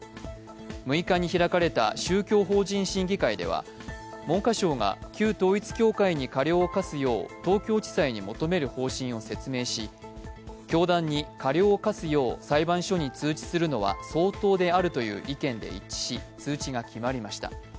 ６日に開かれた宗教法人審議会では、文科省が旧統一教会に過料を科すよう東京地裁に求める方針を説明し教団に過料を科すよう裁判所に通知するのは相当であるという意見で一致し、通知が決まりました。